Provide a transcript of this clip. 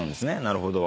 なるほど。